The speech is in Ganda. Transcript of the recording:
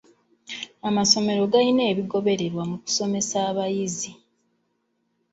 Amasomero galina ebigobererwa mu kusomesa abayizi.